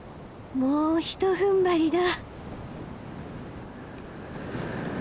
もうひとふんばりだ。